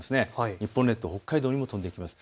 日本列島、北海道にも飛んできます。